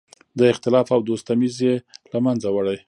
د اختلاف او دوست تمیز یې له منځه وړی.